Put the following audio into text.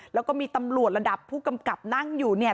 แล้วก็มีตำรวจระดับผู้กำกับนั่งอยู่เนี่ย